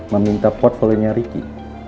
meminta portofolinya riki